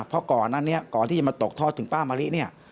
เพราะก่อนนั้นเนี่ยก่อนที่จะมาตกทอดถึงป้ามะลิเนี่ย